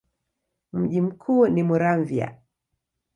Mji mkuu ni Muramvya.